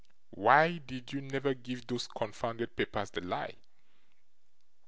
Why did you never give those confounded papers the lie?